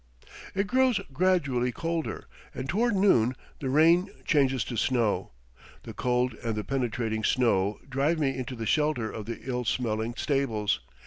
It grows gradually colder, and toward noon the rain changes to snow; the cold and the penetrating snow drive me into the shelter of the ill smelling stables.